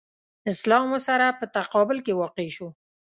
اسلام ورسره په تقابل کې واقع شو.